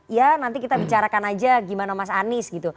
ya nanti kita bicarakan aja gimana mas anies gitu